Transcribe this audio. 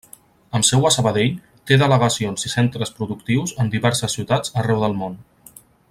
Amb seu a Sabadell, té delegacions i centres productius en diverses ciutats arreu del món.